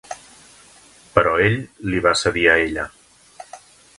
Però ell li va cedir a ella.